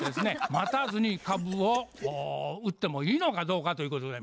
待たずに株を売ってもいいのかどうかということでございます。